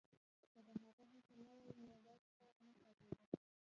که د هغه هڅه نه وای نو دا کتاب نه چاپېده.